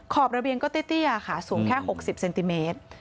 ขอบระเบียงก็เตี้ยค่ะสูงแค่๖๐เซนติเมตร